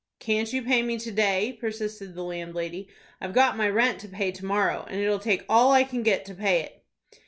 "Can't you pay me to day?" persisted the landlady. "I've got my rent to pay to morrow, and it'll take all I can get to pay it."